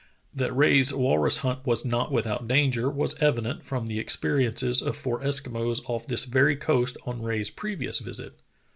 That Rae's walrus hunt was not without danger was evident from the experiences of four Eskimos off this very coast on Rae's previous visit.